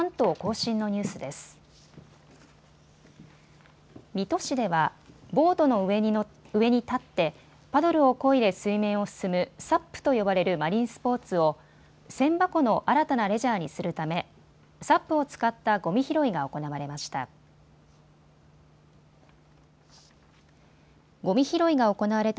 水戸市ではボートの上に立ってパドルをこいで水面を進むＳＵＰと呼ばれるマリンスポーツを千波湖の新たなレジャーにするため、ＳＵＰを使ったごみ拾いが行われました。